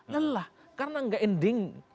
lelah karena tidak ending